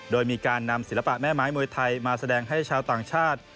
โดยมีการนำศิลปะแม่ไม้มวยไทยมาแสดงให้ชาวต่างชาติ